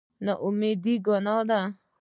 نااميدي ګناه ده